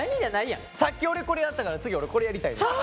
さっき俺これやったから次俺これやりたいねん。